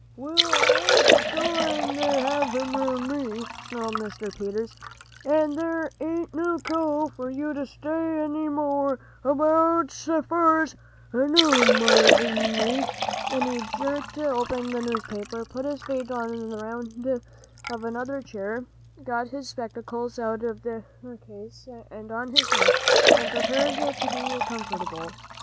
"Well, I ain't a goin' to have 'em round me," snarled Mr. Peters. "An' there ain't no call for you to say any more about's fur's I know, Marindy," and he jerked open the newspaper, put his feet on the round of another chair, got his spectacles out of their case and on his nose, and prepared to be comfortable.